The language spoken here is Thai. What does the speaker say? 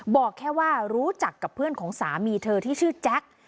บอกแค่ว่ารู้จักกับเพื่อนของสามีเธอที่ชื่อแจ็ค